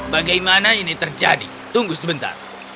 bagaimana ini terjadi tunggu sebentar